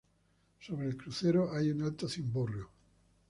Sobre el crucero hay un alto cimborrio.